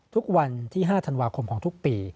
ทุกวันที่๕ธันวาคมของทุกปี